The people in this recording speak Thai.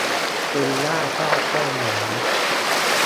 คุณย่าชอบกล้วยไม้